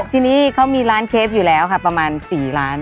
ทีนี้เขามีร้านเคฟอยู่แล้วค่ะประมาณ๔ล้าน